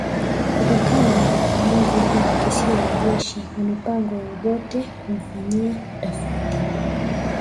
kutokana na matumizi ya makisio ya jeshi na mipango ya Obote kumfanyia utafiti